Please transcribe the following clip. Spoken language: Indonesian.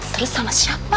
terus sama siapa